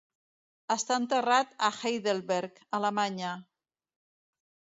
Està enterrat a Heidelberg, Alemanya.